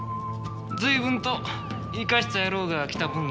随分といかした野郎が来たもんだ。